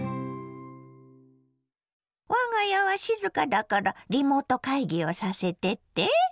我が家は静かだからリモート会議をさせてって？